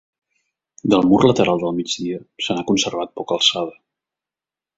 Del mur lateral de migdia se n'ha conservat poca alçada.